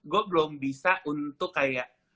gue belum bisa untuk kayak